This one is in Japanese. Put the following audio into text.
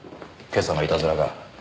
今朝のいたずらが。